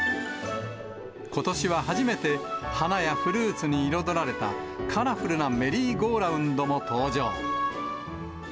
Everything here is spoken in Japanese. ことしは初めて、花やフルーツに彩られた、カラフルなメリーゴーラウンドも登場。